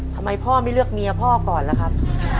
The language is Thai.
ทำไมพ่อไม่เลือกเมียพ่อก่อนล่ะครับ